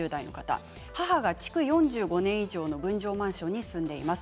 母が築４５年以上の分譲マンションに住んでいます。